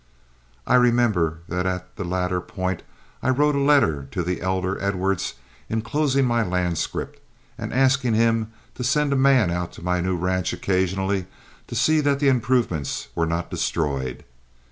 I remember that at the latter point I wrote a letter to the elder Edwards, inclosing my land scrip, and asking him to send a man out to my new ranch occasionally to see that the improvements were not destroyed.